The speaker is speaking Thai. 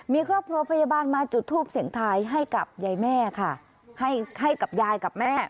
มีครอบครัวพยาบาลมาจุดทูบเสียงทายให้กับยายแม่